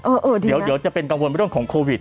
เออดีนะเดี๋ยวจะเป็นกังวลไปด้วยของโควิด